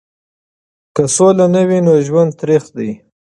که سوله نه وي نو ژوند تریخ دی.